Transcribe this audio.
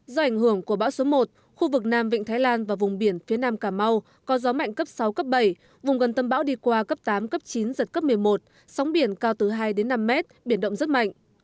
do ảnh hưởng của bão số một khu vực nam vịnh thái lan và vùng biển phía nam cà mau có gió mạnh cấp sáu cấp bảy vùng gần tâm bão đi qua cấp tám cấp chín giật cấp một mươi một sóng biển cao từ hai đến năm mét biển động rất mạnh